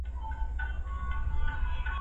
هیڅوک باید د فزیکي بڼې له امله ونه خندول سي.